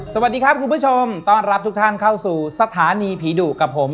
สวัสดีครับคุณผู้ชมต้อนรับทุกท่านเข้าสู่สถานีผีดุกับผม